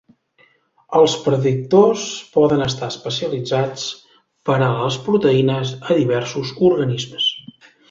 Els predictors poden estar especialitzats per a les proteïnes a diversos organismes.